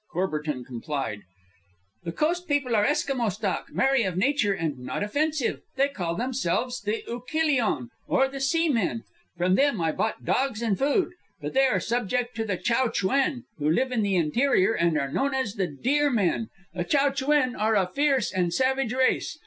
Courbertin complied. "'_The coast people are Eskimo stock, merry of nature and not offensive. They call themselves the Oukilion, or the Sea Men. From them I bought dogs and food. But they are subject to the Chow Chuen, who live in the interior and are known as the Deer Men. The Chow Chuen are a fierce and savage race.